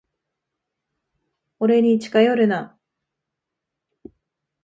俺に近寄るな。